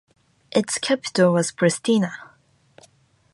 Its capital was Pristina.